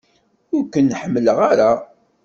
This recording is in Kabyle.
Ur ken-ḥemmleɣ ara!